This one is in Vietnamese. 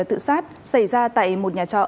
tự sát xảy ra tại một nhà trọ